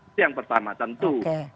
itu yang pertama tentu